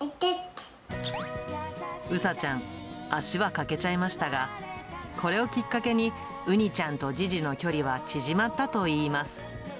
うさちゃん、足は欠けちゃいましたが、これをきっかけにうにちゃんとジジの距離は縮まったといいます。